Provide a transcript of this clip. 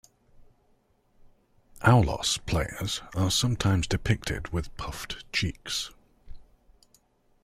Aulos players are sometimes depicted with puffed cheeks.